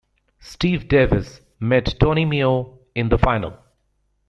Steve Davis met Tony Meo in the final.